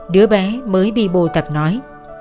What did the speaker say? đứa bé mới bị bồ tập nói